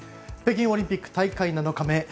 北京オリンピック大会７日目。